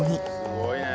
すごいね。